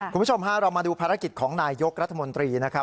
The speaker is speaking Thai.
คุณผู้ชมฮะเรามาดูภารกิจของนายยกรัฐมนตรีนะครับ